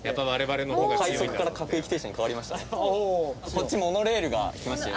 こっちモノレールが来ましたよ。